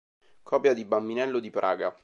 Copia di "Bambinello di Praga".